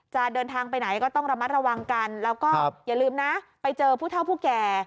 เดินทางไปไหนก็ต้องระมัดระวังกันแล้วก็อย่าลืมนะไปเจอผู้เท่าผู้แก่